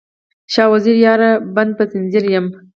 شاه وزیره یاره، بنده په ځنځیر یم